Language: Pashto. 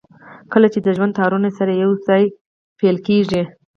کله چې د ژوند تارونه يې سره يو ځای پييل کېږي.